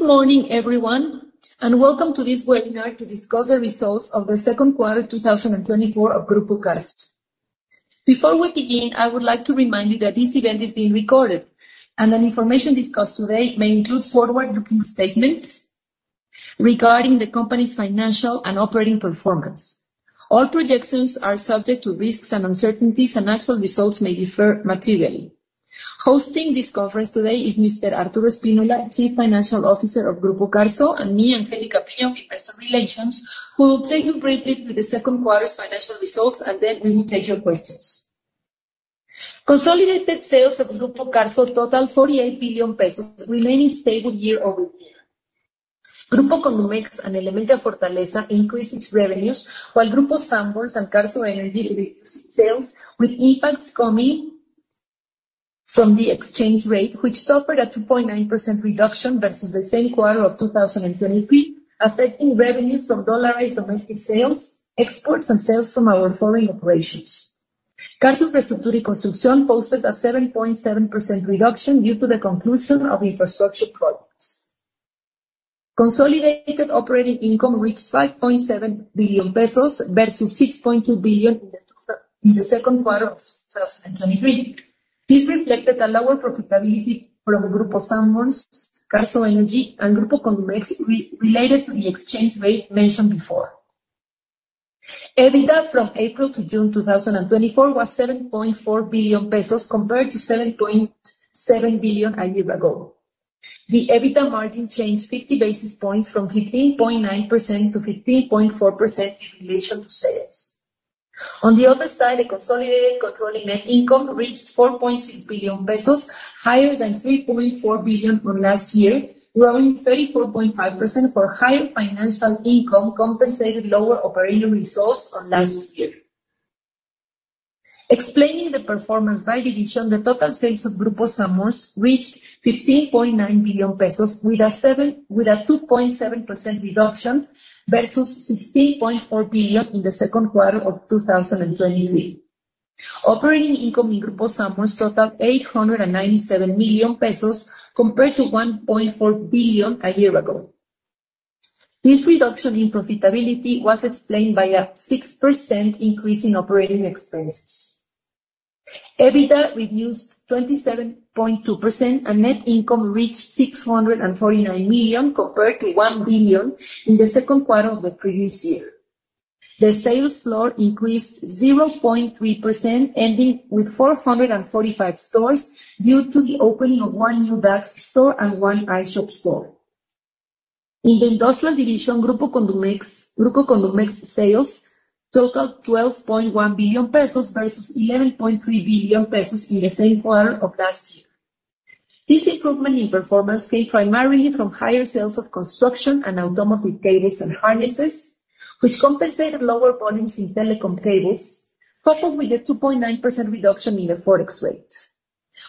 ...Good morning, everyone, and welcome to this webinar to discuss the results of the second quarter, 2024 of Grupo Carso. Before we begin, I would like to remind you that this event is being recorded, and any information discussed today may include forward-looking statements regarding the company's financial and operating performance. All projections are subject to risks and uncertainties, and actual results may differ materially. Hosting this conference today is Mr. Arturo Espínola, Chief Financial Officer of Grupo Carso, and me, Angélica Piña, of Investor Relations, who will take you briefly through the second quarter's financial results, and then we will take your questions. Consolidated sales of Grupo Carso totaled 48 billion pesos, remaining stable year-over-year. Grupo Condumex and Elementia Fortaleza increased its revenues, while Grupo Sanborns and Carso Energy reduced sales, with impacts coming from the exchange rate, which suffered a 2.9% reduction versus the same quarter of 2023, affecting revenues from dollar-based domestic sales, exports, and sales from our foreign operations. Carso Infraestructura y Construcción posted a 7.7% reduction due to the conclusion of infrastructure projects. Consolidated operating income reached 5.7 billion pesos versus 6.2 billion in the second quarter of 2023. This reflected a lower profitability from Grupo Sanborns, Carso Energy, and Grupo Condumex related to the exchange rate mentioned before. EBITDA from April to June 2024 was 7.4 billion pesos, compared to 7.7 billion a year ago. The EBITDA margin changed 50 basis points from 15.9% to 15.4% in relation to sales. On the other side, the consolidated controlling net income reached 4.6 billion pesos, higher than 3.4 billion from last year, growing 34.5% for higher financial income, compensated lower operating results from last year. Explaining the performance by division, the total sales of Grupo Sanborns reached 15.9 billion pesos, with a 2.7% reduction versus 16.4 billion in the second quarter of 2023. Operating income in Grupo Sanborns totaled 897 million pesos, compared to 1.4 billion a year ago. This reduction in profitability was explained by a 6% increase in operating expenses. EBITDA reduced 27.2%, and net income reached 649 million, compared to 1 billion in the second quarter of the previous year. The sales floor increased 0.3%, ending with 445 stores, due to the opening of 1 new Dax store and 1 iShop store. In the industrial division, Grupo Condumex, Grupo Condumex sales totaled 12.1 billion pesos versus 11.3 billion pesos in the same quarter of last year. This improvement in performance came primarily from higher sales of construction and automotive cables and harnesses, which compensated lower volumes in telecom cables, coupled with a 2.9% reduction in the FX rate,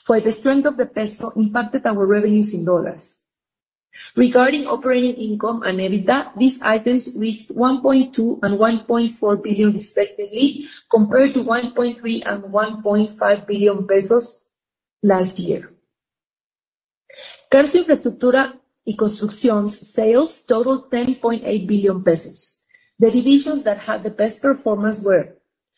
where the strength of the peso impacted our revenues in dollars. Regarding operating income and EBITDA, these items reached 1.2 billion and 1.4 billion, respectively, compared to 1.3 billion and 1.5 billion pesos last year. Carso Infraestructura y Construcción's sales totaled 10.8 billion pesos. The divisions that had the best performance were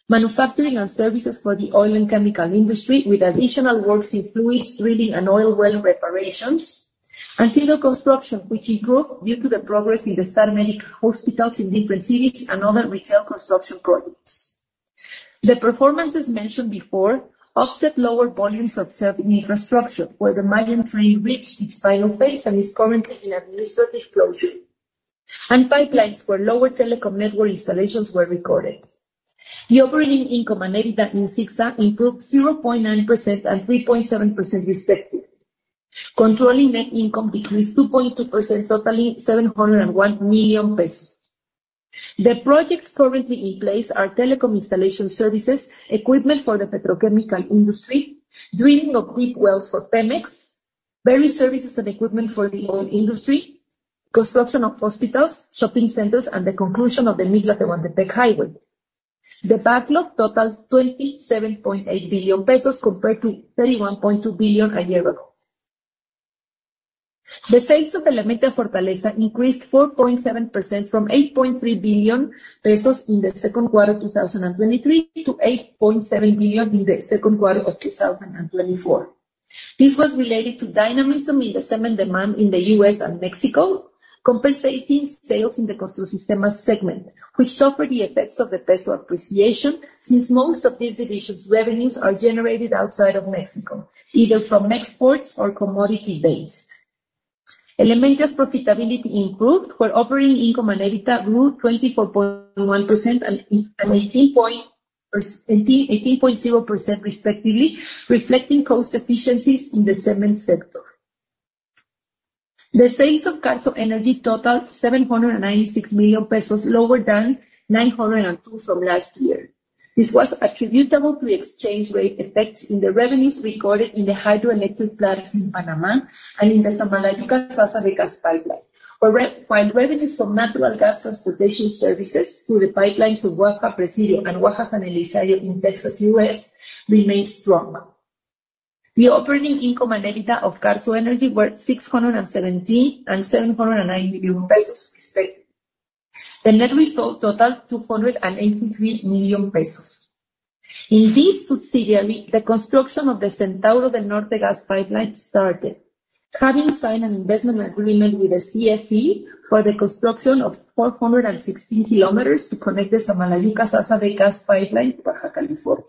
manufacturing and services for the oil and chemical industry, with additional works in fluids, drilling, and oil well reparations, and civil construction, which improved due to the progress in the Star Médica hospitals in different cities and other retail construction projects. The performances mentioned before offset lower volumes observed in infrastructure, where the Tren Maya reached its final phase and is currently in administrative closure, and pipelines, where lower telecom network installations were recorded. The operating income and EBITDA in CICSA improved 0.9% and 3.7%, respectively. Controlling net income decreased 2.2%, totaling 701 million pesos. The projects currently in place are telecom installation services, equipment for the petrochemical industry, drilling of deep wells for PEMEX, various services and equipment for the oil industry, construction of hospitals, shopping centers, and the conclusion of the Mitla-Tehuantepec Highway. The backlog totals 27.8 billion pesos, compared to 31.2 billion a year ago. The sales of Elementia Fortaleza increased 4.7% from 8.3 billion pesos in the second quarter of 2023 to 8.7 billion in the second quarter of 2024. This was related to dynamism in the cement demand in the U.S. and México, compensating sales in the Construcciones segment, which suffered the effects of the peso appreciation, since most of this division's revenues are generated outside of México, either from exports or commodity base. Elementia's profitability improved, where operating income and EBITDA grew 24.1% and 18.0%, respectively, reflecting cost efficiencies in the cement sector. The sales of Carso Energy totaled 796 million pesos, lower than 902 million from last year. This was attributable to exchange rate effects in the revenues recorded in the hydroelectric plants in Panamá and in the Samalayuca-Sásabe gas pipeline. While revenues from natural gas transportation services through the pipelines of Waha-Presidio and Waha-San Elizario in Texas, U.S., remained strong. The operating income and EBITDA of Carso Energy were 617 million pesos and MXN 709 million, respectively. The net result totaled 283 million pesos. In this subsidiary, the construction of the Centauro del Norte gas pipeline started, having signed an investment agreement with the CFE for the construction of 416 kilometers to connect the Samalayuca-Sásabe gas pipeline, Baja California.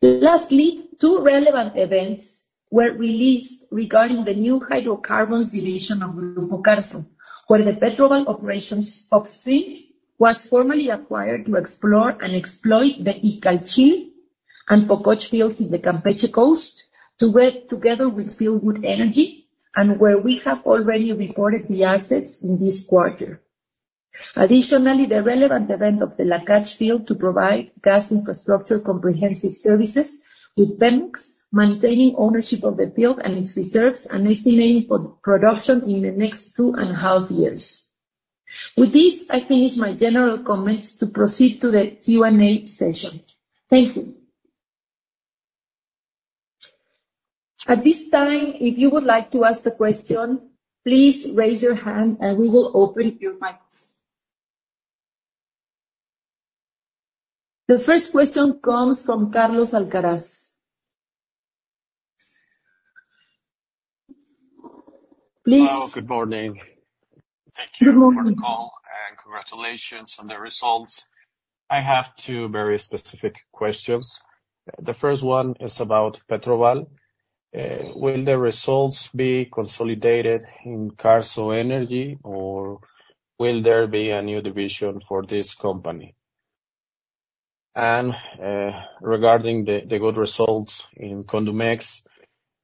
Lastly, two relevant events were released regarding the new hydrocarbons division of Grupo Carso, where the PetroBal operations upstream was formally acquired to explore and exploit the Ichalkil and Pokoch fields in the Costa de Campeche, to work together with Fieldwood Energy, and where we have already reported the assets in this quarter. Additionally, the relevant event of the Lakach field to provide gas infrastructure comprehensive services, with PEMEX maintaining ownership of the field and its reserves and estimating pre-production in the next 2.5 years. With this, I finish my general comments to proceed to the Q&A session. Thank you. At this time, if you would like to ask the question, please raise your hand and we will open your mics. The first question comes from Carlos Alcaraz. Please- Hello, good morning. Good morning. Thank you for the call, and congratulations on the results. I have two very specific questions. The first one is about PetroBal. Will the results be consolidated in Carso Energy, or will there be a new division for this company? And, regarding the good results in Condumex,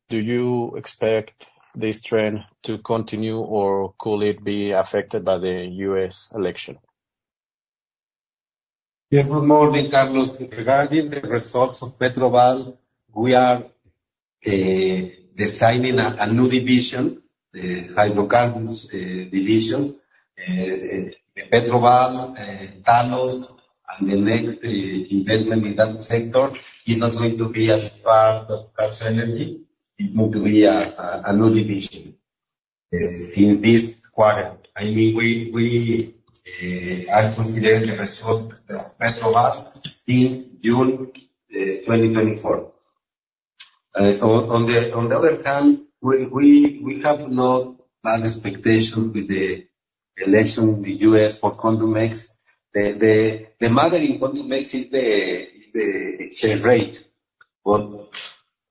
do you expect this trend to continue, or could it be affected by the U.S. election? Yes, good morning, Carlos. Regarding the results of PetroBal, we are designing a new division, the hydrocarbons division. The PetroBal, Talos, and the next investment in that sector is not going to be as part of Carso Energy. It's going to be a new division. Yes, in this quarter, I mean, we are considering the result, the PetroBal in June 2024. On the other hand, we have no bad expectation with the election in the U.S. for Condumex. The matter in Condumex is the exchange rate. But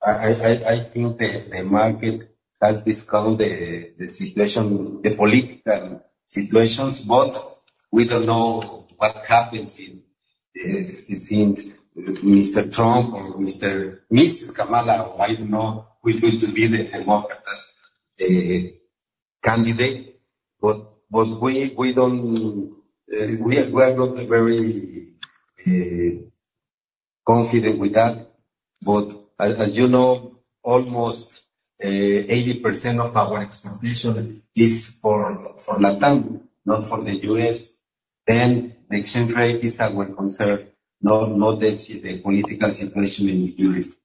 I think the market has discovered the situation, the political situations, but we don't know what happens if since Mr. Trump or Mr. -- Mrs. Kamala, or I don't know who is going to be the Democratic candidate, but we are not very confident with that. But as you know, almost 80% of our exports is for Latam, not for the U.S., then the exchange rate is our concern, not the political situation in the U.S.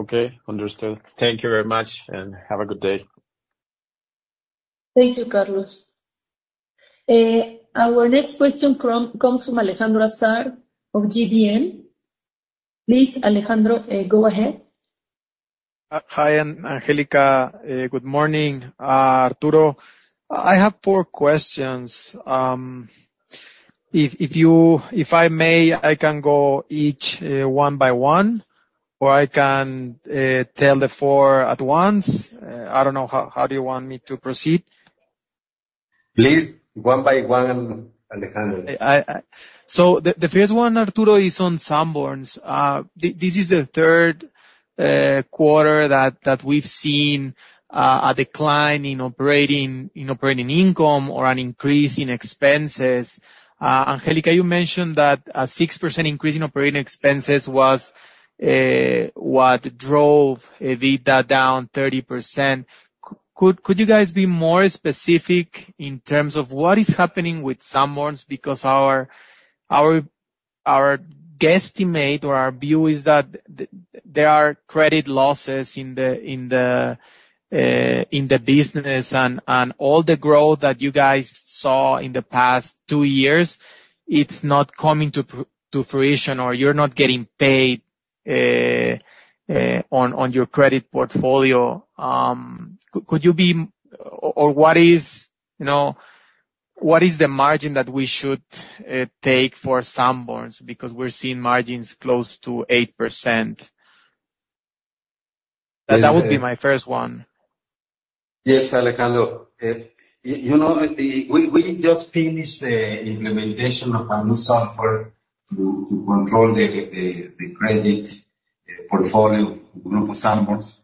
Okay, understood. Thank you very much, and have a good day. Thank you, Carlos. Our next question comes from Alejandro Azar of GBM. Please, Alejandro, go ahead. Hi, Angélica. Good morning, Arturo. I have four questions. If I may, I can go each one by one, or I can tell the four at once. I don't know, how do you want me to proceed? Please, one by one, Alejandro. So the first one, Arturo, is on Sanborns. This is the third quarter that we've seen a decline in operating income or an increase in expenses. Angélica, you mentioned that a 6% increase in operating expenses was what drove EBITDA down 30%. Could you guys be more specific in terms of what is happening with Sanborns? Because our guesstimate or our view is that there are credit losses in the business, and all the growth that you guys saw in the past two years, it's not coming to fruition, or you're not getting paid on your credit portfolio. Could you be, or what is, you know, what is the margin that we should take for Sanborns? Because we're seeing margins close to 8%. Yes, uh- That would be my first one. Yes, Alejandro. You know, we just finished the implementation of a new software to control the credit portfolio, Grupo Sanborns.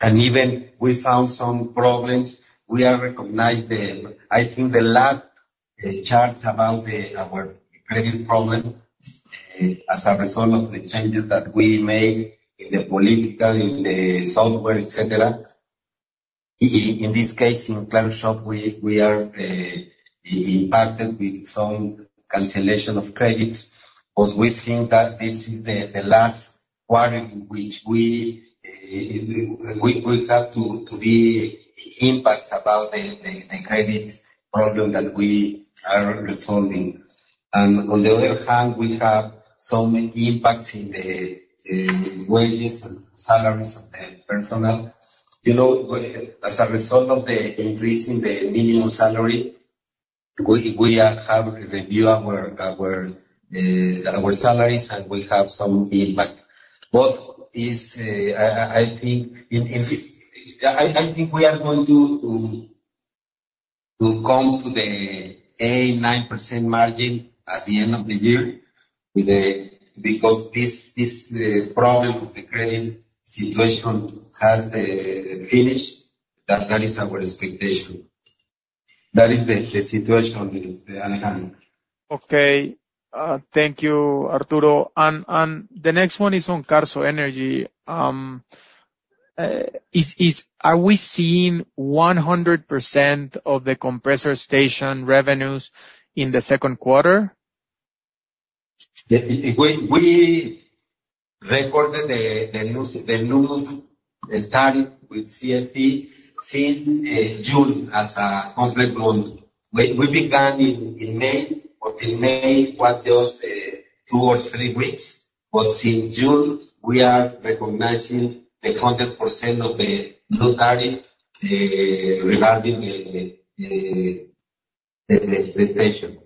And even we found some problems, we have recognized the, I think, the lack charts about our credit problem as a result of the changes that we made in the policy in the software, et cetera. In this case, in Claro Shop, we are impacted with some cancellation of credits, but we think that this is the last quarter in which we have to be impacted about the credit problem that we are resolving. And on the other hand, we have some impacts in the wages and salaries of the personnel. You know, as a result of the increase in the minimum salary, we have reviewed our salaries, and we have some impact. But I think in this we are going to come to the 8%-9% margin at the end of the year with a because this problem of the credit situation has the finish. That is our expectation. That is the situation, Alejandro. Okay. Thank you, Arturo. The next one is on Carso Energy. Are we seeing 100% of the compressor station revenues in the second quarter? We recorded the new tariff with CFE since June as a complete month. We began in May, but in May was just two or three weeks. But since June, we are recognizing 100% of the new tariff regarding the station.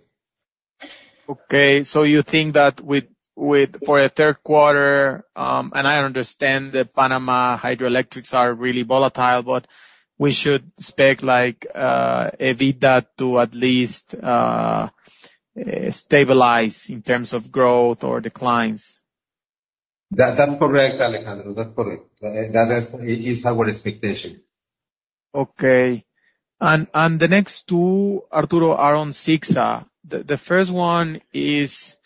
Okay, so you think that with for the third quarter, and I understand that Panama Hydroelectrics are really volatile, but we should expect, like, stabilize in terms of growth or declines? That, that's correct, Alejandro. That's correct. That is, it is our expectation. Okay. And the next two, Arturo, are on CICSA. The first one is,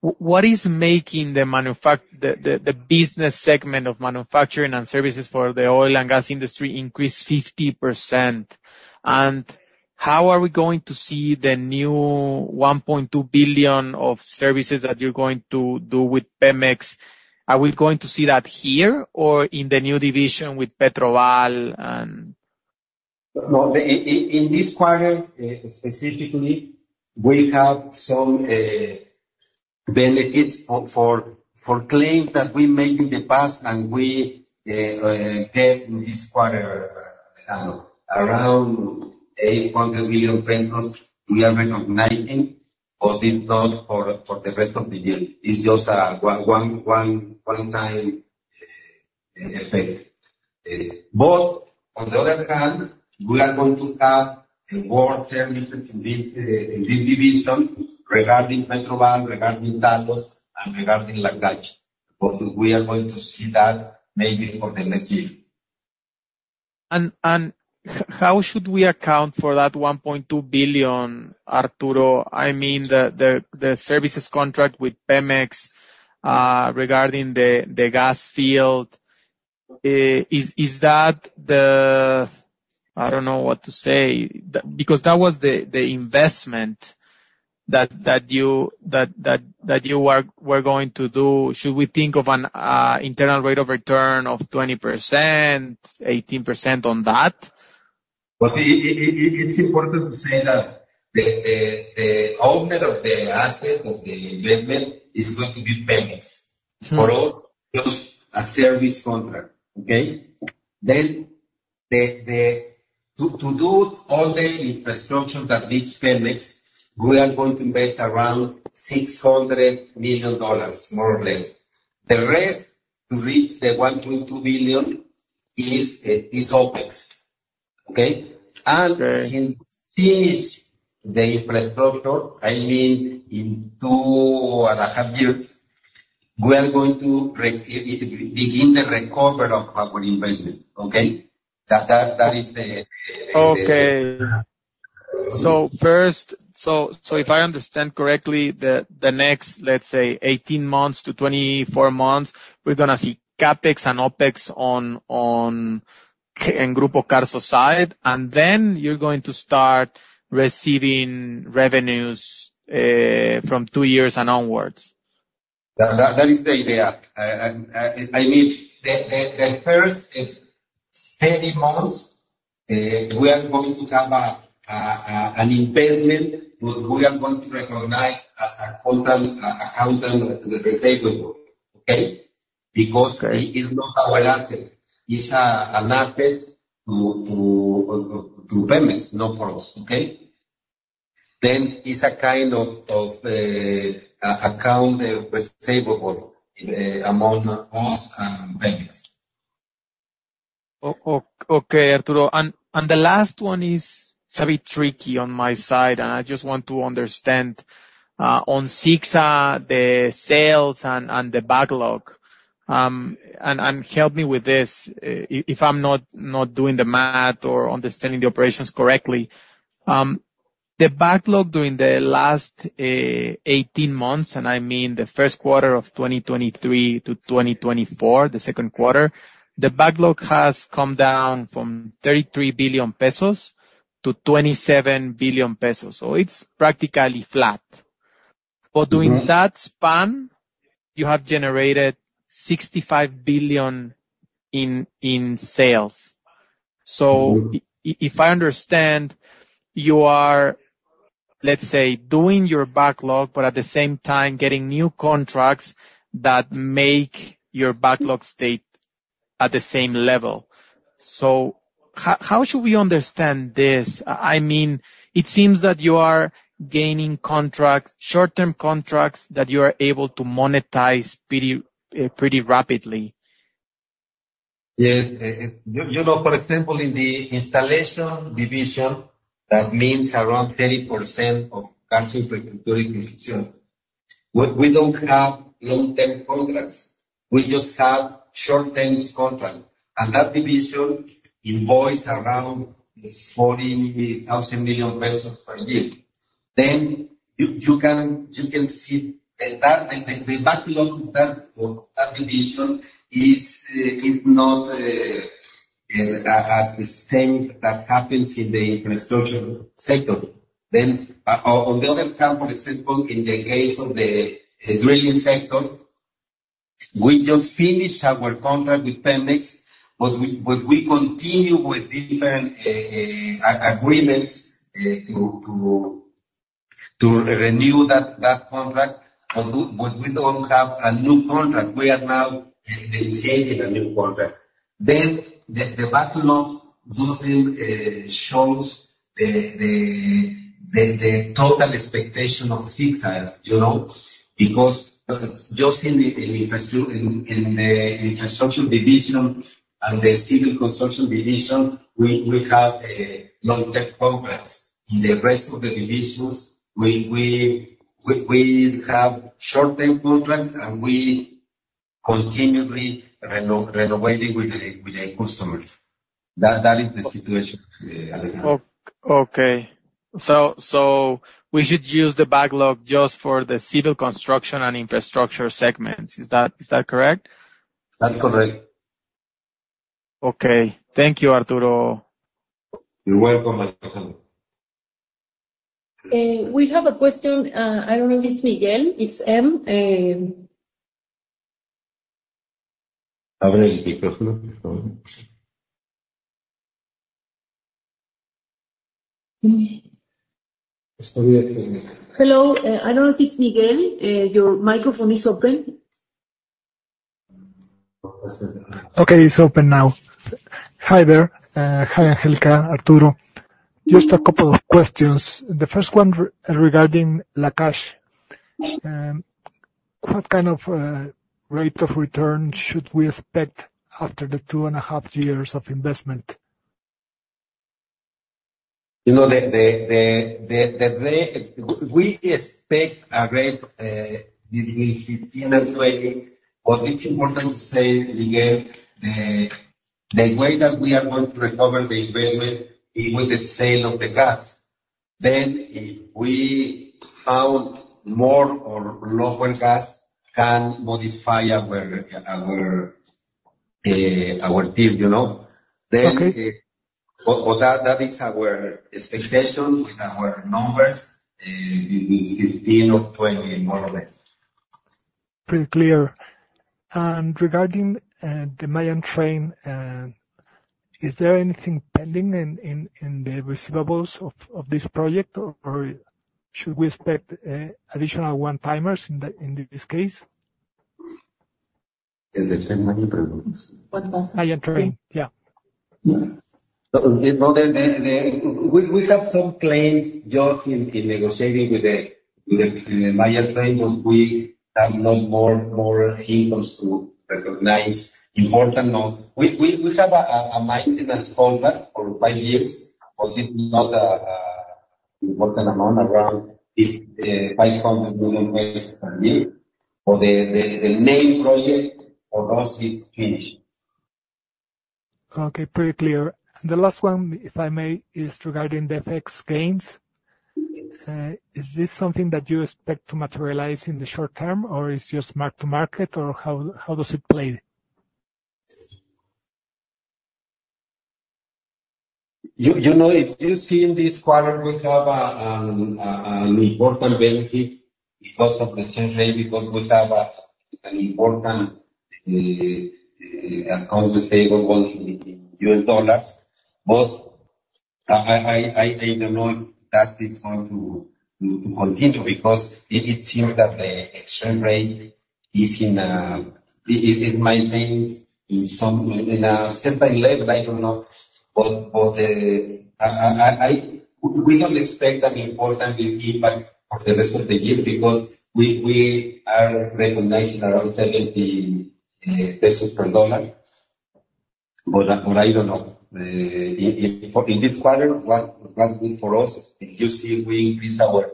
what is making the manufacturing and services for the oil and gas industry business segment increase 50%? And how are we going to see the new 1.2 billion of services that you're going to do with Pemex? Are we going to see that here or in the new division with PetroBal and- Well, in this quarter, specifically, we have some benefits for claims that we made in the past, and we get in this quarter around 800 million pesos we are recognizing, but it's not for the rest of the year. It's just a one-time effect. But on the other hand, we are going to have more services in this division, regarding PetroBal, regarding Talos, and regarding Lakach. But we are going to see that maybe for the next year. How should we account for that 1.2 billion, Arturo? I mean, the services contract with PEMEX regarding the gas field, is that the... I don't know what to say. Because that was the investment that you were going to do. Should we think of an internal rate of return of 20%, 18% on that? But it's important to say that the owner of the asset of the investment is going to be PEMEX. Mm-hmm. For us, just a service contract, okay? Then to do all the infrastructure that needs PEMEX, we are going to invest around $600 million, more or less. The rest, to reach the $1.2 billion, is OpEx, okay? Okay. And since finish the infrastructure, I mean, in 2.5 years, we are going to begin the recovery of our investment, okay? That, that, that is the, Okay. So first, if I understand correctly, the next, let's say, 18-24 months, we're gonna see CapEx and OpEx on Grupo Carso's side, and then you're going to start receiving revenues from 2 years and onwards? That is the idea. I mean, the first 30 months, we are going to have an investment, which we are going to recognize as a contract account in the receivable, okay? Okay. Because it is not our asset. It's an asset to PEMEX, not for us, okay? Then it's a kind of account receivable among us and PEMEX. Okay, Arturo. And the last one is, it's a bit tricky on my side, and I just want to understand, on CICSA, the sales and the backlog, and help me with this, if I'm not doing the math or understanding the operations correctly. The backlog during the last 18 months, and I mean the first quarter of 2023 to 2024, the second quarter, the backlog has come down from 33 billion pesos to 27 billion pesos, so it's practically flat. But during that span, you have generated 65 billion in sales. So if I understand, you are, let's say, doing your backlog, but at the same time, getting new contracts that make your backlog stay at the same level. So how should we understand this? I mean, it seems that you are gaining contracts, short-term contracts, that you are able to monetize pretty, pretty rapidly. Yeah, you know, for example, in the installation division, that means around 30%. We don't have long-term contracts, we just have short-term contracts, and that division invoices around 40,000 million pesos per year. Then, you can see that, the backlog of that division is not as the same that happens in the construction sector. Then, on the other hand, for example, in the case of the drilling sector, we just finished our contract with PEMEX, but we continue with different agreements to renew that contract, but we don't have a new contract. We are now negotiating a new contract. The backlog doesn't shows the total expectation of 6, you know, because just in the infrastructure division and the civil construction division, we have a long-term contracts. In the rest of the divisions, we have short-term contracts, and we continually renegotiating with the customers. That is the situation, Alejandro. Okay. So, we should use the backlog just for the civil construction and infrastructure segments. Is that correct? That's correct. Okay. Thank you, Arturo. You're welcome, Alejandro. We have a question. I don't know if it's Miguel. It's M. Abre el micrófono, por favor. Hello, I don't know if it's Miguel. Your microphone is open. Okay, it's open now. Hi there. Hi, Angélica, Arturo. Just a couple of questions. The first one regarding Lakach. Yes. What kind of rate of return should we expect after the two and a half years of investment? You know, we expect a rate between 15 and 20, but it's important to say, Miguel, the way that we are going to recover the investment is with the sale of the gas. Then, if we found more or lower gas, can modify our deal, you know? Okay. But that is our expectation with our numbers, between 15 or 20, more or less. Pretty clear. And regarding the Tren Maya, is there anything pending in the receivables of this project, or should we expect additional one-timers in this case? In the same Tren Maya? What the? Tren Maya, yeah. You know, we have some claims just in negotiating with the Tren Maya, but we have no more incomes to recognize, important or not. We have a maintenance contract for five years, but it's not an important amount, around MXN 500 million per year. But the main project for us is finished. Okay, pretty clear. And the last one, if I may, is regarding the FX gains. Is this something that you expect to materialize in the short term, or is just mark-to-market, or how, how does it play? You know, if you see in this quarter, we have an important benefit because of the exchange rate, because we have an important accounts receivable in US dollars. But I don't know if that is going to continue because it seems that the exchange rate is maintained in a certain level, I don't know. But for the... we don't expect an important impact for the rest of the year because we are recognizing around 70 pesos per dollar. But I don't know. In this quarter, was good for us. You see, we increased our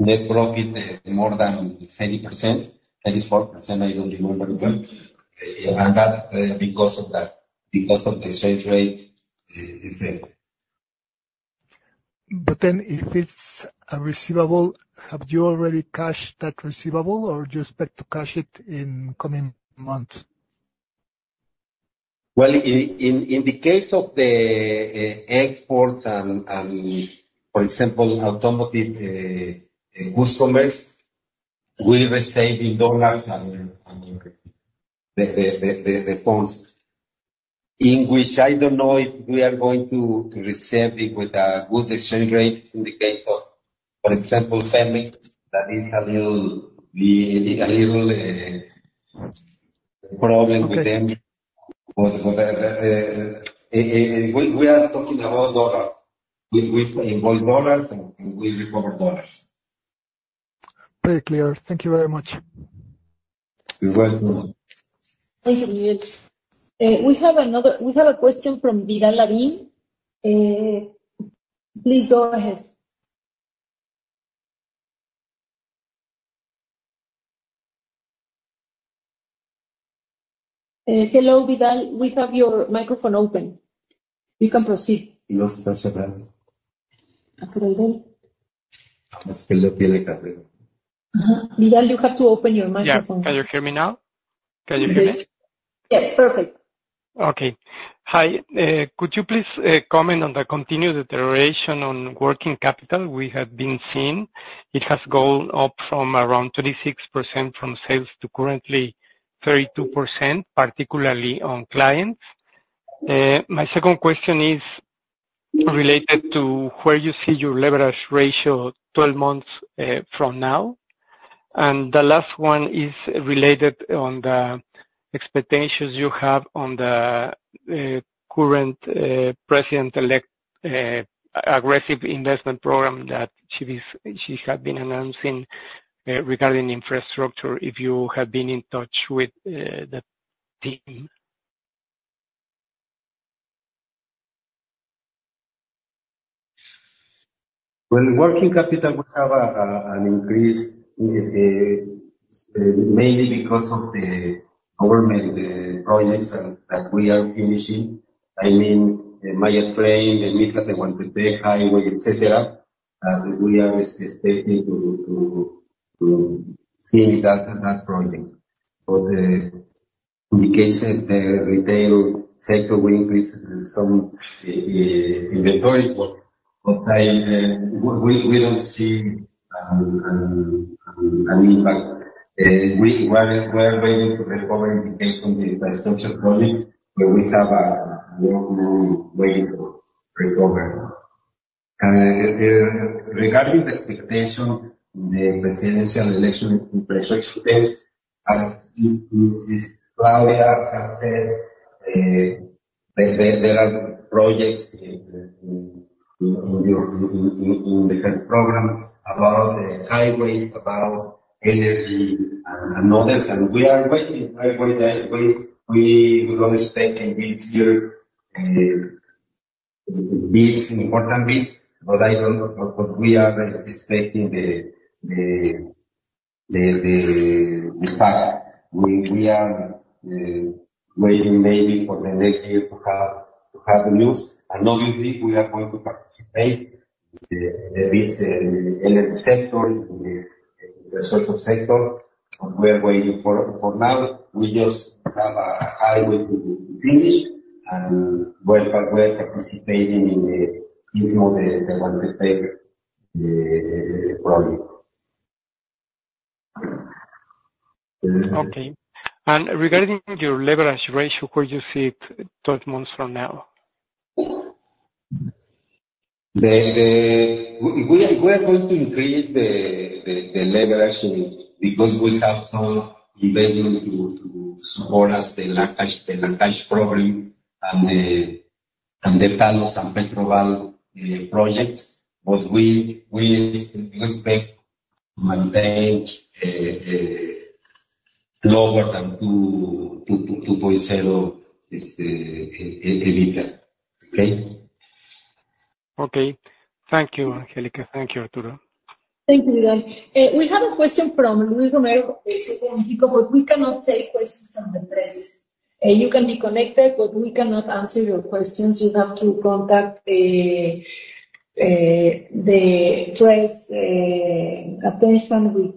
net profit more than 30%, 34%, I don't remember well. And that, because of that, because of the exchange rate effect. But then if it's a receivable, have you already cashed that receivable, or do you expect to cash it in coming months? Well, in the case of the export and, for example, automotive good customers, we receive in dollars and the funds. In which I don't know if we are going to receive it with a good exchange rate in the case of, for example, FEMSA. That is a little problem with them. Okay. But we are talking about dollar. We invoice dollars, and we recover dollars. Very clear. Thank you very much. You're welcome. Thank you, Miguel. We have another... We have a question from Vidal Lavín. Please go ahead. Hello, Vidal. We have your microphone open. You can proceed. Vidal, you have to open your microphone. Yeah. Can you hear me now? Can you hear me? Yes. Yes, perfect. Okay. Hi. Could you please comment on the continued deterioration on working capital we have been seeing? It has gone up from around 36% from sales, to currently 32%, particularly on clients. My second question is related to where you see your leverage ratio 12 months from now. And the last one is related on the expectations you have on the current president-elect aggressive investment program that she is, she had been announcing regarding infrastructure, if you have been in touch with the team? Well, working capital will have an increase mainly because of the government projects that we are finishing. I mean, the Tren Maya, the Mitla-Tehuantepec Highway, et cetera. We are expecting to finish that project. But in the case of the retail sector, we increase some inventories, but we don't see an impact. Well, we are waiting to recover in the case of the infrastructure projects, but we have a long way to recover. And regarding the expectation, the presidential election infrastructure, as you... As Claudia has said, there are projects in the health program, about the highway, about energy and others, and we are waiting, we don't expect in this year bids, important bids, but I don't know, but we are participating the fact. We are waiting maybe for the next year to have the news. And obviously, we are going to participate in the energy sector, in the social sector. We are waiting for... For now, we just have a highway to finish and we are participating in the Tehuantepec project. Okay. And regarding your leverage ratio, where you see it 12 months from now? We are going to increase the leverage because we have some revenue to support us, the Lakach program, and the Talos and PetroBal projects. But we expect to maintain lower than 2.0, is the EBITDA. Okay? Okay. Thank you, Angélica. Thank you, Arturo. Thank you, Vidal. We have a question from Luis Romero, from Mexico, but we cannot take questions from the press. You can be connected, but we cannot answer your questions. You have to contact the press attention with-